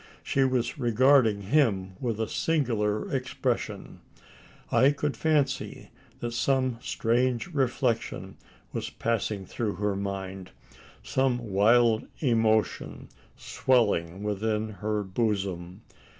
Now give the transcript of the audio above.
She was regarding him with a singular expression. I could fancy that some strange reflection was passing through her mind some wild emotion swelling within her bosom.